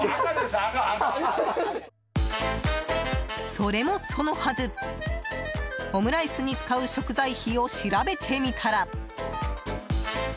それもそのはず、オムライスに使う食材費を調べてみたら。